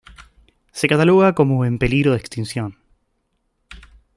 Se cataloga como "En peligro de Extinción".